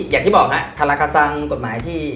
อย่างที่บอกฮะธารกสรรค์กฎหมายที่